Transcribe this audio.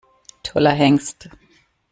Toller Hengst!